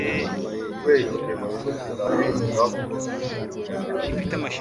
Kubera ibyo, abayoboke ba Kristo bagombaga kwigengesera